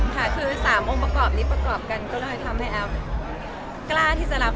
ค่ะคือ๓องค์ประกอบนี้ประกอบกันก็เลยทำให้แอฟกล้าที่จะรับ